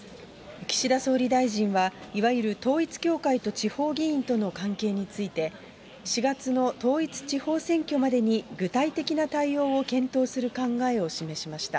岸田総理大臣は、いわゆる統一教会と地方議員との関係について、４月の統一地方選挙までに具体的な対応を検討する考えを示しました。